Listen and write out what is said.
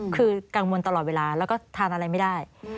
คือกังวลตลอดเวลาแล้วก็ทานอะไรไม่ได้